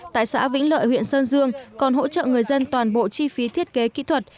tại xã vĩnh lợi huyện sơn dương còn hỗ trợ người dân toàn bộ chi phí thiết kế kỹ thuật